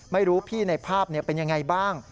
ไม่รู้พี่ในภาพเป็นยังไงบ้าง